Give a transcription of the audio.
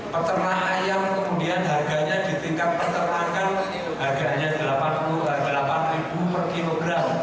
pertanah ayam kemudian harganya di tingkat pertanah kan harganya rp delapan per kilogram